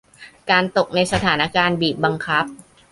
การตกในสถานการณ์บีบบังคับ